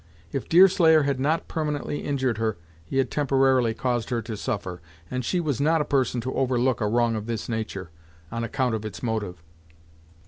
If Deerslayer had not permanently injured her, he had temporarily caused her to suffer, and she was not a person to overlook a wrong of this nature, on account of its motive.